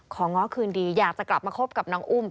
ง้อคืนดีอยากจะกลับมาคบกับน้องอุ้ม